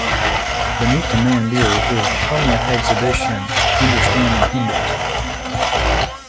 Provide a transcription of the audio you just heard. Beneath the Mandir is the permanent exhibition 'Understanding Hinduism'.